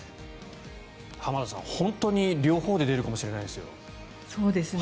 浜田さん、本当に両方で出るかもしれないですよ。